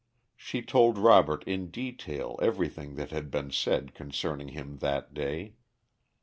She told Robert in detail everything that had been said concerning him that day.